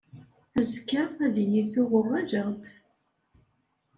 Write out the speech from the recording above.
Azekka, ad iyi-tuɣ uɣaleɣ-d.